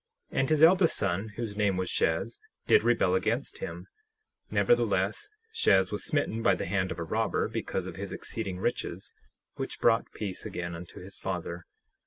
10:3 And his eldest son, whose name was Shez, did rebel against him; nevertheless, Shez was smitten by the hand of a robber, because of his exceeding riches, which brought peace again unto his father.